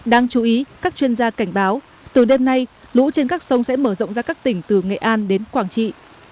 đáng chú ý các chuyên gia cảnh báo từ đêm nay lũ trên các sông sẽ mở rộng ra các tỉnh từ nghệ an đến quảng trị